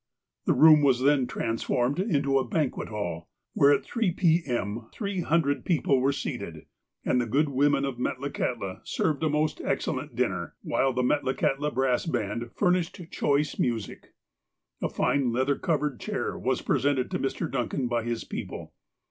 The room was then transformed into a banquet hall, where, at three p. m. , three hundred people were seated, and the good women of Metlakahtla served a most excel lent dinner, while the Metlakahtla brass baud furnished choice music. A fine, leather covered chair was presented to Mr. Duncan by his people.